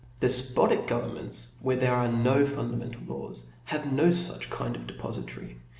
Deipotif: governments, where there are no fun flamental laws, have no fuch kind of depofi tary.